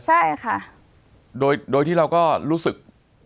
ใช่ค่ะโดยที่เราก็รู้สึก